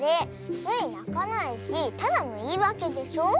スイなかないしただのいいわけでしょ？